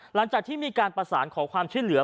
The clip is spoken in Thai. หลังจากที่มีการประสานขอความช่วยเหลือ